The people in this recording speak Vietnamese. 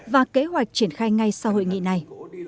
và kế hoạch triển khai ngay sau hội nghị này